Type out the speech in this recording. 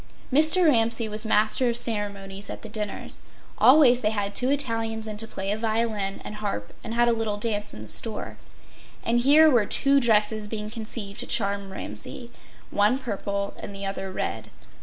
Mr. Ramsay was master of ceremonies at the dinners. Always they had two Italians in to play a violin and harp and had a little dance in the store. And here were two dresses being conceived to charm Ramsay—one purple and the other red.